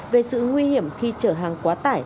về sự nguy hiểm khi chở hàng quá tải